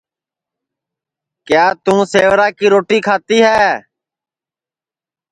کیا توں سیورا کی روٹی کھاتی ہے